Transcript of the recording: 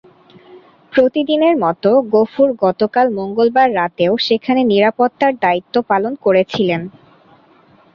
প্রতিদিনের মতো গফুর গতকাল মঙ্গলবার রাতেও সেখানে নিরাপত্তার দায়িত্ব পালন করছিলেন।